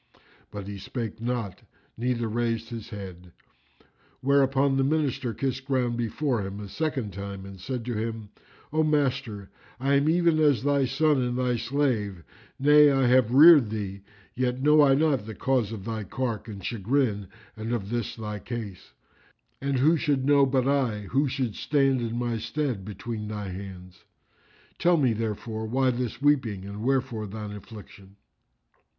But he spake not neither raised his head; whereupon the Minister kissed ground before him a second time and said to him, "O Master,[FN#357] I am even as thy son and thy slave, nay, I have reared thee; yet know I not the cause of thy cark and chagrin and of this thy case; and who should know but I who should stand in my stead between thy hands? Tell me therefore why this weeping and wherefore thine affliction."